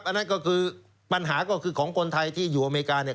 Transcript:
อันนั้นก็คือปัญหาก็คือของคนไทยที่อยู่อเมริกาเนี่ย